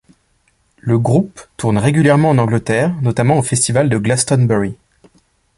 Le groupe tourne régulièrement en Angleterre, notamment au Festival de Glastonbury.